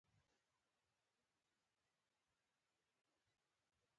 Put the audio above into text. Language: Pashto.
بي بي هاجرې دغسې منډې وکړې.